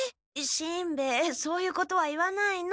しんべヱそういうことは言わないの。